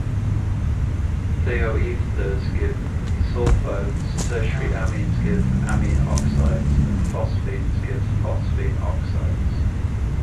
Thioethers give sulfones, tertiary amines give amine oxides, and phosphines give phosphine oxides.